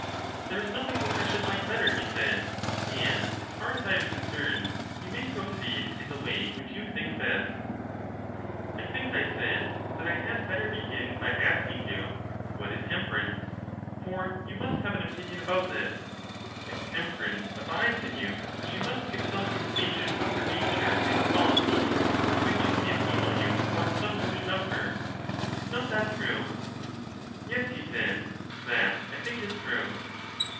There is nothing which I should like better, he said; and as far as I am concerned you may proceed in the way which you think best. Digitized by VjOOQ IC CHARMIDES 15 I think, I said, that I had better begin by asking you. What is Temperance? for you must have an opinion about this: if temperance abides in you, she must give some intimation of her nature and quali ties, which may enable you to form some notion of her. Is not that true? Yes, he said, that I think is true.